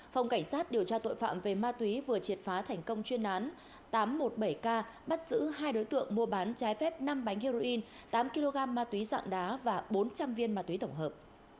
phòng cảnh sát điều tra tội phạm về ma túy vừa triệt phá thành công chuyên án tám trăm một mươi bảy k bắt giữ hai đối tượng mua bán trái phép năm bánh heroin tám kg ma túy dạng đá và bốn trăm linh viên ma túy tổng hợp